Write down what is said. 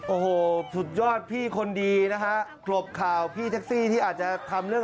โอ้โหเจอดีมากเลย